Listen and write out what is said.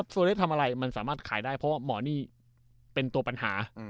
โซเลสทำอะไรมันสามารถขายได้เพราะว่าหมอนี่เป็นตัวปัญหา